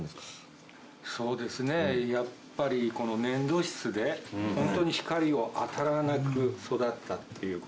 そうですねやっぱりこの粘土質でホントに光を当たらなく育ったっていうこと。